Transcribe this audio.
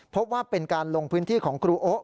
พบว่าเป็นการลงพื้นที่ของครูโอ๊ะ